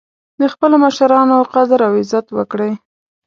د خپلو مشرانو قدر او عزت وکړئ